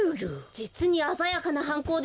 じつにあざやかなはんこうでした。